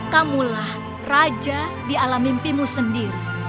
kamulah raja di alam mimpimu sendiri